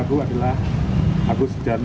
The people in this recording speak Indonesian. untuk menghentikan proses deradikalisasi